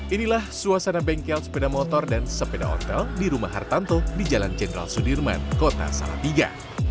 inilah suasana bengkel sepeda motor dan sepeda hotel di rumah hartanto di jalan jenderal sudirman kota salatiga